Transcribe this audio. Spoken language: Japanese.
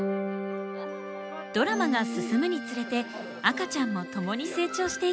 ドラマが進むにつれて赤ちゃんも共に成長していきます。